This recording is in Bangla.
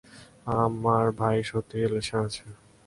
আমার ভাই সত্যিই রিলেশনে আছে!